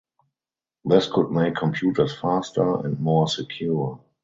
This could make computers faster and more secure.